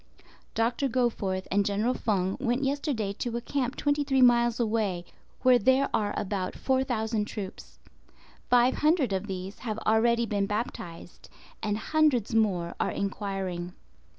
Dr. Goforth and General Feng went yesterday to a camp 23 miles away, where there are about 4,000 troops. Five hundred of these have already been baptized, and hundreds more are enquiring.